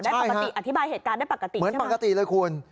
ปกติอธิบายเหตุการณ์ได้ปกติเหมือนปกติเลยคุณ